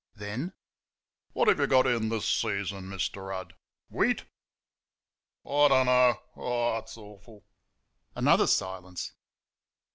Then "What have you got in this season, Mr. Rudd? Wheat?" "I don't know....Oh h it's awful!" Another silence.